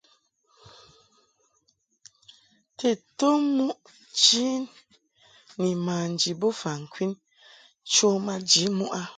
Tedtom muʼ chi ni manji bofa ŋkwin cho maji muʼ a.